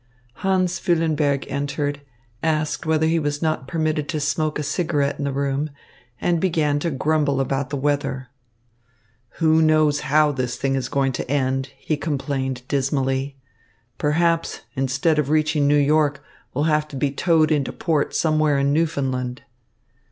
Hans Füllenberg entered, asked whether he was not permitted to smoke a cigarette in the room, and began to grumble about the weather. "Who knows how this thing is going to end?" he complained dismally. "Perhaps, instead of reaching New York, we'll have to be towed into port somewhere in Newfoundland."